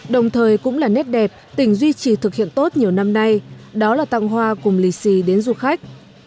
đồng thời cũng là nét đẹp tỉnh duy trì thực hiện tốt nhiều năm nay đó là tăng hoa cùng lì xì đến du khách